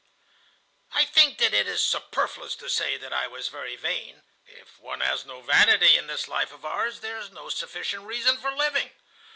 "I think that it is superfluous to say that I was very vain. If one has no vanity in this life of ours, there is no sufficient reason for living.